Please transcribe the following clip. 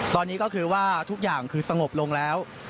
ตอนนี้ก็คือว่าทุกอย่างคือสงบลงแล้ว